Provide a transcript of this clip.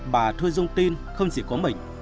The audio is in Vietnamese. bà thu dung tin không chỉ có mình